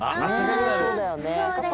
うんそうだよね。